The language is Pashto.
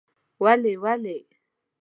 ولې؟ ولې؟؟؟ ….